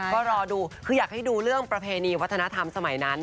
ก็รอดูคืออยากให้ดูเรื่องประเพณีวัฒนธรรมสมัยนั้น